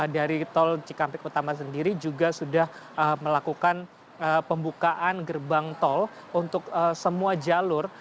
dari tol cikampek utama sendiri juga sudah melakukan pembukaan gerbang tol untuk semua jalur